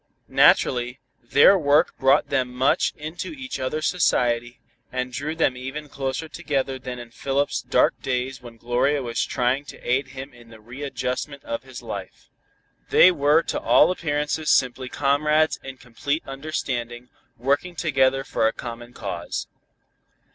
Naturally, their work brought them much into each other's society, and drew them even closer together than in Philip's dark days when Gloria was trying to aid him in the readjustment of his life. They were to all appearances simply comrades in complete understanding, working together for a common cause.